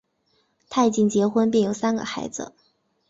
他已经结婚并有三个孩子。